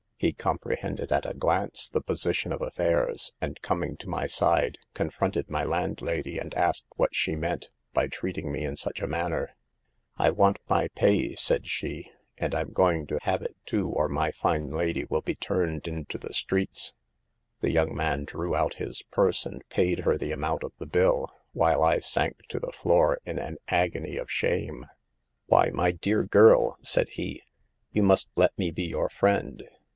He comprehended at a glance the position of affairs, and coming to my side, con 150 SAVE THE GIRLS. fronted my landlady and asked what she meant by treating me in such a manner, v "'" I want my pay," said she, « and I'm going to have it, too, or my fine lady will be turned into the streets." "< The young man drew out his purse and paid her the amount of her bill, while I sank to the floor in an agony of shame. " 5 " Wh Y> my dear girl," said he, « you must let me be your friend.